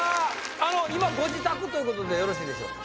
あの今ご自宅ということでよろしいでしょうか？